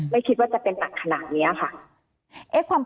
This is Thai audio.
ไม่คิดว่าจะเป็นตัดขนาดนี้ค่ะ